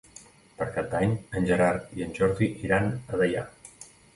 Per Cap d'Any en Gerard i en Jordi iran a Deià.